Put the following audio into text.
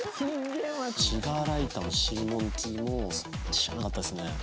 シガーライターもシーモンキーも知らなかったですね。